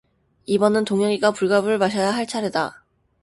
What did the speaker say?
이번은 동 혁이가 불가불 마셔야 할 차례다.